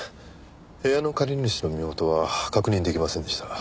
部屋の借り主の身元は確認出来ませんでした。